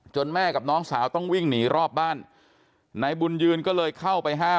แม่กับน้องสาวต้องวิ่งหนีรอบบ้านนายบุญยืนก็เลยเข้าไปห้าม